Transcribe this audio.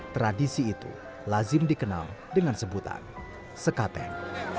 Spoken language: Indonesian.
tradisi itu lazim dikenal dengan sebutan sekaten